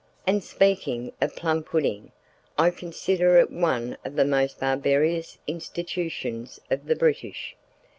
And speaking of plum pudding, I consider it one of the most barbarous institutions of the British.